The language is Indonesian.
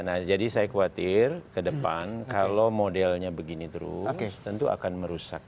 nah jadi saya khawatir ke depan kalau modelnya begini terus tentu akan merusak